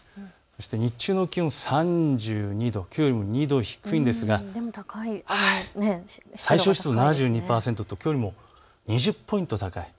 そして日中の気温３２度、きょうよりも２度低いんですが最小湿度７２％ときょうよりも２０ポイント高い。